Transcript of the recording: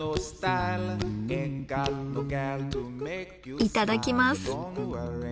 いただきます。